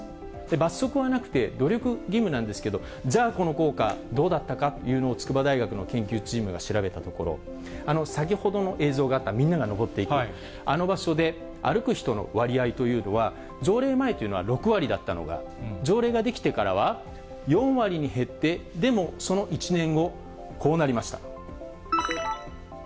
罰則はなくて、努力義務なんですけど、じゃあ、この効果、どうだったかというのを筑波大学の研究チームが調べたところ、先ほどの映像があった、みんなが上っていく、あの場所で歩く人の割合というのは、条例前というのは６割だったのが、条例が出来てからは４割に減って、でもその１年後、こうなりました。